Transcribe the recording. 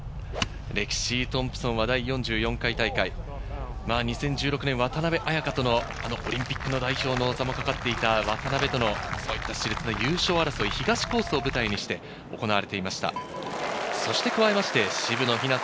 レキシー・トンプソンは第４４回大会、２０１６年、渡邉彩香とのオリンピックの代表の座もかかっていた渡邉とのし烈な優勝争い、東コースを舞台にして行われていました。